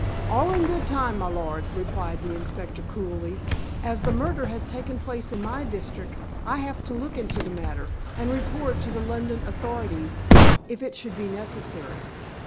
"All in good time, my lord," replied the inspector coolly. "As the murder has taken place in my district I have to look into the matter, and report to the London authorities, if it should be necessary."